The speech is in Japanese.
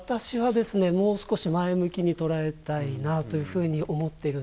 もう少し前向きに捉えたいなというふうに思っているんです。